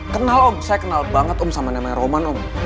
kenal om saya kenal banget om sama namanya roman om